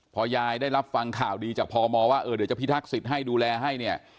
พอยายได้รับฟังข่าวดีจากพมว่าเออเดี๋ยวจะพิทักษิตให้ดูแลให้เนี่ย